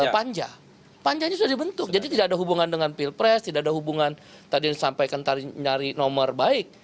panja panjanya sudah dibentuk jadi tidak ada hubungan dengan pilpres tidak ada hubungan tadi yang disampaikan nyari nomor baik